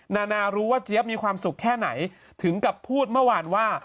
นานารู้ว่าเจี๊ยบมีความสุขแค่ไหนถึงกับพูดเมื่อวานว่า